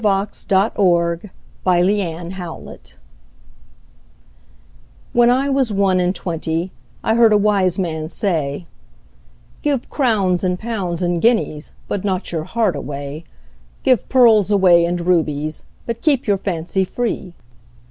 When I was one and twenty WHEN I was one and twentyI heard a wise man say,'Give crowns and pounds and guineasBut not your heart away; Give pearls away and rubiesBut keep your fancy free.